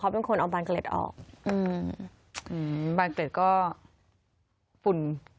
ฝุ่นเกาะอยู่